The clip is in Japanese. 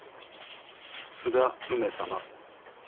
「津田梅様」